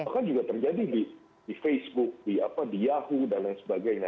bahkan juga terjadi di facebook di yahoo dan lain sebagainya